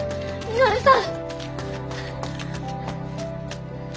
稔さん